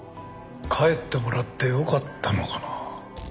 帰ってもらってよかったのかなあ？